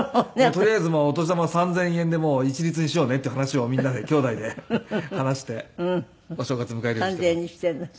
とりあえずお年玉は３０００円で一律にしようねっていう話をみんなできょうだいで話してお正月迎えるようにしています。